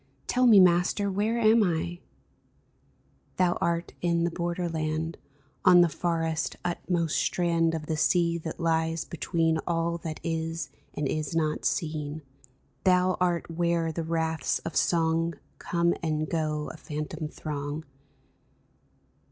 Tell me, Master, where am I ?"'' Thou art in the border land. On the farthest, utmost strand Of the sea that lies between All that is and is not seen. Thou art where the wraiths of song Come and go, a phantom throng.